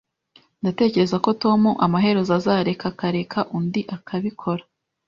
Ndatekereza ko Tom amaherezo azareka akareka undi akabikora